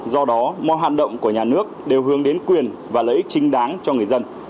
do đó mọi hoạt động của nhà nước đều hướng đến quyền và lợi ích chính đáng cho người dân